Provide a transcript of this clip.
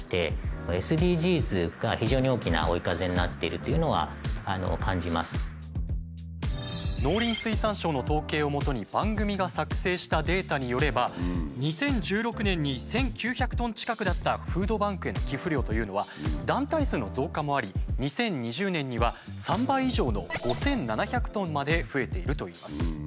長いスパンで見ると農林水産省の統計をもとに番組が作成したデータによれば２０１６年に１，９００トン近くだったフードバンクへの寄付量というのは団体数の増加もあり２０２０年には３倍以上の５，７００トンまで増えているといいます。